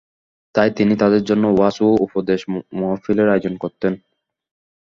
তাই তিনি তাদের জন্য ওয়াজ ও উপদেশ মহফিলের আয়োজন করতেন।